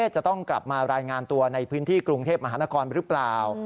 จะต้องกลับมารายงานตัวในพื้นที่กรุงเทพมหานครหรือเปล่า